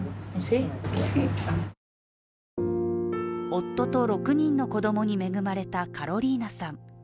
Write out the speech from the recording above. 夫と６人の子供に恵まれたカロリーナさん。